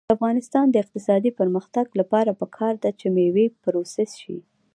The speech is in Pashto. د افغانستان د اقتصادي پرمختګ لپاره پکار ده چې مېوې پروسس شي.